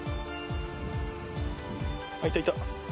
あっ、いた、いた。